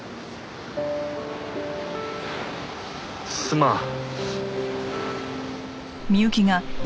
すまん。